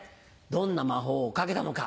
どんな魔法をかけたのか。